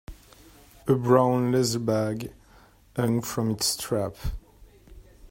A brown leather bag hung from its strap.